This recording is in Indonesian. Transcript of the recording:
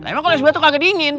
emang kalau es batu kagak dingin